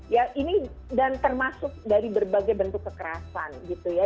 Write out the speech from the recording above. ya ini dan termasuk dari berbagai bentuk kekerasan gitu ya